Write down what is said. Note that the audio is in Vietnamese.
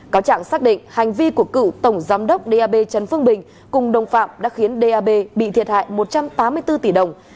cáo trạng xác định hành vi của cựu tổng giám đốc đ a b trần phương bình cùng đồng phạm đã khiến đ a b bị thiệt hại một trăm tám mươi bốn tỷ đồng